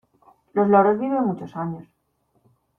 Los loros viven muchos años.